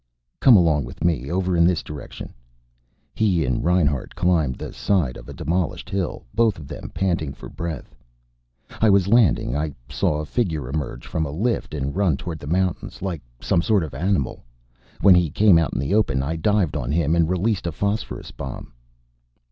"Come along with me. Over in this direction." He and Reinhart climbed the side of a demolished hill, both of them panting for breath. "I was landing. I saw a figure emerge from a lift and run toward the mountains, like some sort of animal. When he came out in the open I dived on him and released a phosphorus bomb."